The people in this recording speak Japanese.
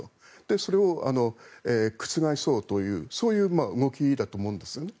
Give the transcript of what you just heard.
それを覆そうというそういう動きだと思うんですよね。